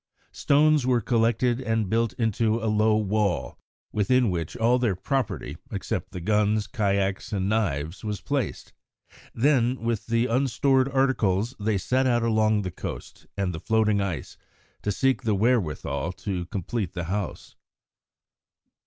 Stones were collected and built into a low wall, within which all their property, except the guns, kayaks, and knives, was placed. Then, with the unstored articles, they set out along the coast and the floating ice to seek the wherewithal to complete the house.